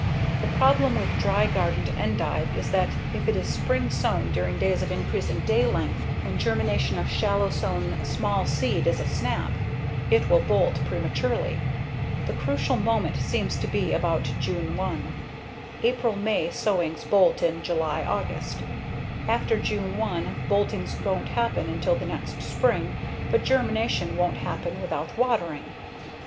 The problem with dry gardened endive is that if it is spring sown during days of increasing daylength when germination of shallow sown small seed is a snap, it will bolt prematurely. The crucial moment seems to be about June 1. April/May sowings bolt in July/August,: after June 1, bolting won't happen until the next spring, but germination won't happen without watering.